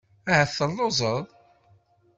Ahat telluẓeḍ.